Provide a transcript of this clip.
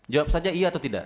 jawab saja iya atau tidak